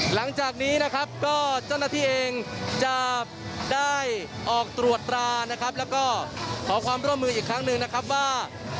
หลังจากนี้นะครับก็เจ้าหน้าที่เองจะได้ออกตรวจตรานะครับแล้วก็ขอความร่วมมืออีกครั้งหนึ่งนะครับว่า